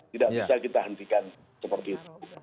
tidak bisa kita hentikan seperti itu